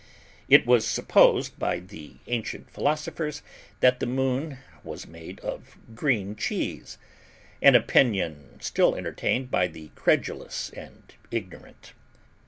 It was supposed by the ancient philosophers that the Moon was made of green cheese, an opinion still entertained by the credulous and ignorant.